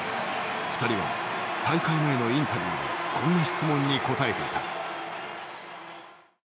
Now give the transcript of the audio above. ２人は大会前のインタビューでこんな質問に答えていた。